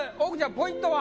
ポイントは？